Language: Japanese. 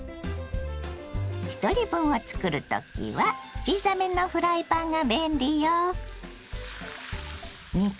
ひとり分を作る時は小さめのフライパンが便利よ。